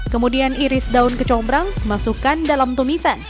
kemudian iris daun kecombrang masukkan dalam tumisan